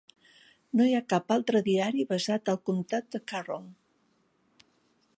No hi ha cap altre diari basat al comptat de Carroll.